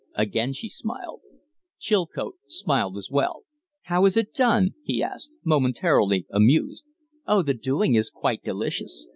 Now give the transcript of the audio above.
Again she smiled. Chilcote smiled as well. "How is it done?" he asked, momentarily amused. "Oh, the doing is quite delicious.